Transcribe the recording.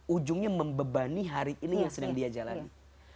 ujungnya membebani hari ini yang sedang diajalani